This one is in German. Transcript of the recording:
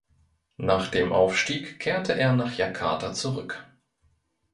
Nach dem Aufstieg kehrte er nach Jakarta zurück.